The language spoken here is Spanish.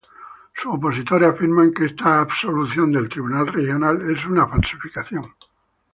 Sus opositores afirman que esta absolución del Tribunal Regional es una falsificación.